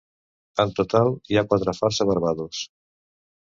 En total, hi ha quatre fars a Barbados.